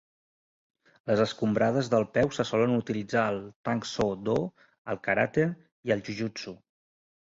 Les escombrades del peu se solen utilitzar al Tang Soo Do, al karate i al jujutsu.